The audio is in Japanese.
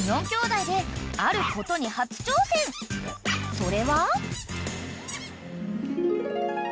［それは］